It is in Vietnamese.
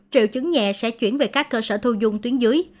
triệu chứng nhẹ sẽ chuyển về các cơ sở thu dung tuyến dưới